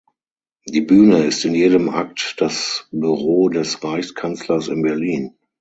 Die Bühne ist in jedem Akt das Büro des Reichskanzlers in Berlin.